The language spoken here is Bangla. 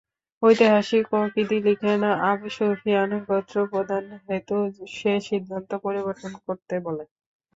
ঐতিহাসিক ওকিদী লিখেন, আবু সুফিয়ান গোত্রপ্রধান হেতু সে সিদ্ধান্ত পরিবর্তন করতে বলে।